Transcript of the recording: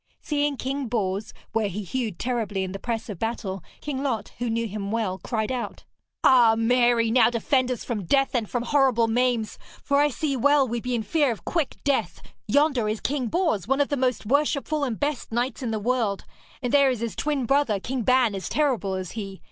Seeing King Bors, where he hewed terribly in the press of battle, King Lot, who knew him well, cried out: 'Ah, Mary, now defend us from death and from horrible maims, for I see well we be in fear of quick death! Yonder is King Bors, one of the most worshipful and best knights in the world; and there is his twin brother, King Ban, as terrible as he.